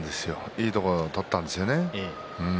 いいところを取れたんですね。